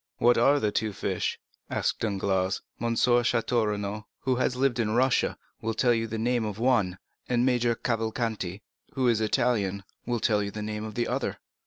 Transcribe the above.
"What are the two fish?" asked Danglars. "M. Château Renaud, who has lived in Russia, will tell you the name of one, and Major Cavalcanti, who is an Italian, will tell you the name of the other."